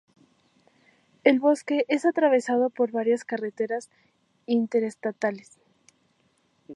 El bosque es atravesado por varias carreteras interestatales.